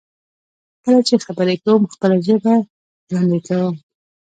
کله چې خبرې کوم، خپله ژبه ژوندی کوم.